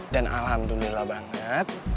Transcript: dan alhamdulillah banget